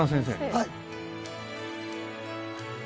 はい。